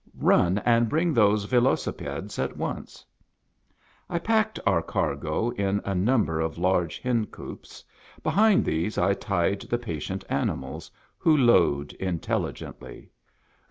" Run and bring those velocipedes at once." I packed our cargo in a number of large hencoops. Behind these I tied the patient animals, who lowed intelligently.